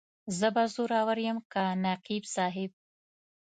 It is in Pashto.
زه به زورور یم که نقیب صاحب.